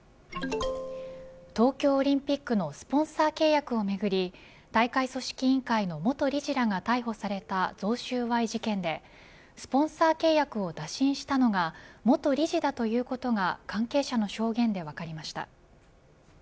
東京オリンピックのスポンサー契約をめぐり大会組織委員会の元理事らが逮捕された贈収賄事件でスポンサー契約を打診したのが元理事だということが関係者の証言で分かりました。